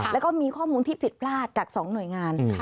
แล้วก็มีข้อมูลที่ผิดพลาดจาก๒หน่วยงาน